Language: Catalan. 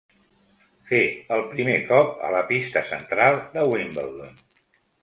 Fer el primer cop a la pista central de Wimbledon.